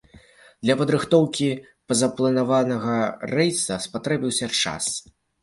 Для падрыхтоўкі пазапланавага рэйса спатрэбіўся час.